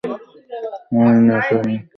আয় নেচে নে, ঠিক না?